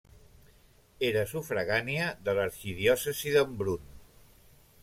Era sufragània de l'arxidiòcesi d'Embrun.